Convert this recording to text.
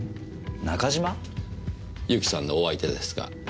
由紀さんのお相手ですが。